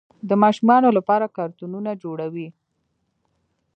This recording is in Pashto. د ماشومانو لپاره کارتونونه جوړوي.